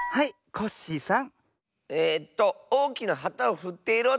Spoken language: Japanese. コッシーさん